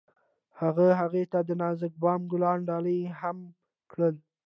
هغه هغې ته د نازک بام ګلان ډالۍ هم کړل.